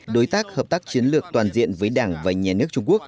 đối tác hợp tác chiến lược toàn diện với đảng và nhà nước trung quốc